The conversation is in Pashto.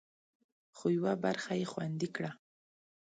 خو، یوه برخه یې خوندي کړه